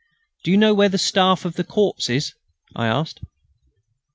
"Do you know where the Staff of the Corps is?" I asked.